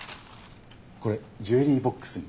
これジュエリーボックスに。